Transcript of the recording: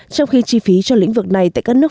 trong khi chi phí cho lĩnh vực này tại các nước